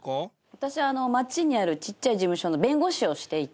私町にあるちっちゃい事務所の弁護士をしていて。